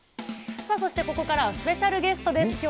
そしてここからは、スペシャルゲストです。